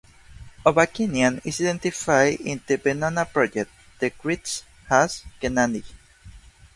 Ovakimian is identified in the Venona project decrypts as "Gennady".